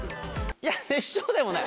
いや、熱唱でもない。